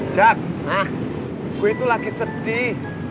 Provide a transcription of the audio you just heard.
jack gue itu lagi sedih